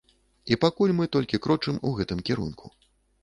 І пакуль мы толькі крочым у гэтым кірунку.